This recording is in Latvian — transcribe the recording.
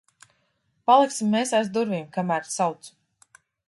Paliksim mēs aiz durvīm, kamēr sauc.